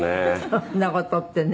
そんな事ってね。